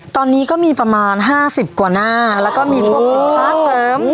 ตอนนี้ก็มีประมาณ๕๐กว่าหน้าแล้วก็มีพวกสินค้าเสริม